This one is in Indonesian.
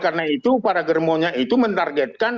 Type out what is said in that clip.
karena itu para germonya itu menarget